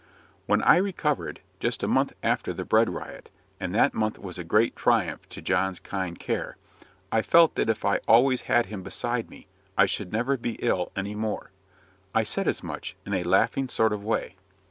When I recovered just a month after the bread riot, and that month was a great triumph to John's kind care I felt that if I always had him beside me I should never be ill any more; I said as much, in a laughing sort of way.